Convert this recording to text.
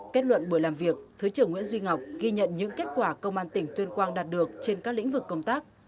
kết luận buổi làm việc thứ trưởng nguyễn duy ngọc ghi nhận những kết quả công an tỉnh tuyên quang đạt được trên các lĩnh vực công tác